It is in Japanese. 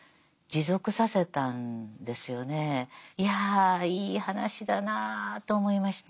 いやいい話だなぁと思いました。